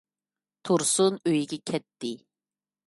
تۇرسۇن ئۆيىگە كەتتى.